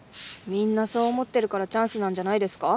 みんなそう思ってるからチャンスなんじゃないですか。